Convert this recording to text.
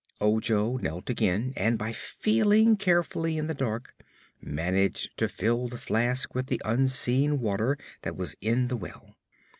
Ojo knelt again and by feeling carefully in the dark managed to fill the flask with the unseen water that was in the well.